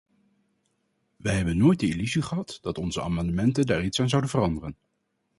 Wij hebben nooit de illusie gehad dat onze amendementen daar iets aan zouden veranderen.